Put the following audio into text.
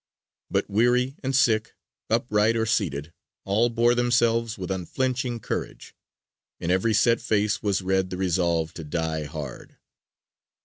But weary and sick, upright or seated, all bore themselves with unflinching courage; in every set face was read the resolve to die hard.